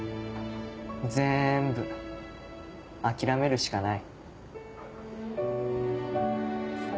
ぜんぶ諦めるしかない。